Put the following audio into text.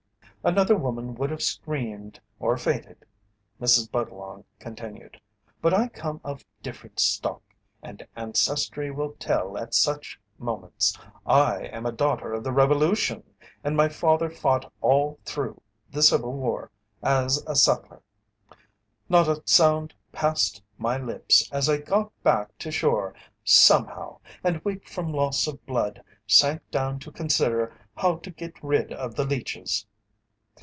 "Another woman would have screamed or fainted," Mrs. Budlong continued, "but I come of different stock, and ancestry will tell at such moments. I am a Daughter of the Revolution and my father fought all through the Civil War as a sutler. Not a sound passed my lips as I got back to shore, somehow, and, weak from loss of blood, sank down to consider how to get rid of the leeches.